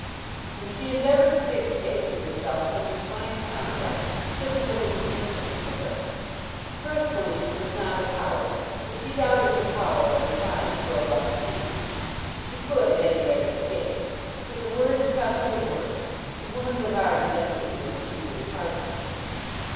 And she endeavoured to dictate to herself some defined conduct should the woman be insolent to her. Personally she was not a coward, but she doubted her power of replying to a rough speech. She could at any rate escape. Should the worst come to the worst, the woman would hardly venture to impede her departure.